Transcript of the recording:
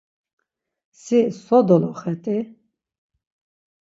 Si so doloxet̆i?